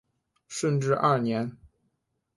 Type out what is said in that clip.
顺治二年。